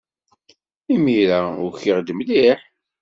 Imir-a ukiɣ-d mliḥ.